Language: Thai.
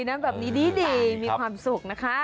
มีความสุขนะคะ